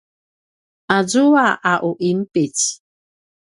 azua a u inpic